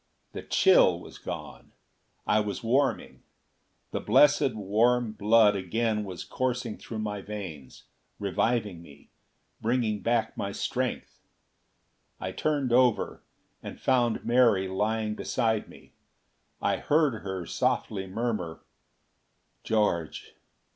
The chill was gone. I was warming. The blessed warm blood again was coursing through my veins, reviving me, bringing back my strength. I turned over, and found Mary lying beside me. I heard her softly murmur: "George!